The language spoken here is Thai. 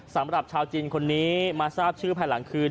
สำหรับชาวจีนคนนี้มาทราบชื่อภายหลังคืน